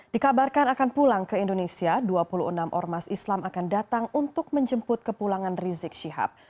dikabarkan akan pulang ke indonesia dua puluh enam ormas islam akan datang untuk menjemput kepulangan rizik syihab